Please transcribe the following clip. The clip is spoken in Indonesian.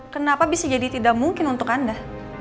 kenapa bisa jadi tidak mungkin untuk anda